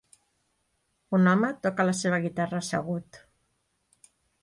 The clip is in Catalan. Un home toca la seva guitarra assegut.